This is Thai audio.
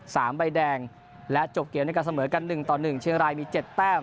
ใบแดงและจบเกมด้วยการเสมอกันหนึ่งต่อหนึ่งเชียงรายมีเจ็ดแต้ม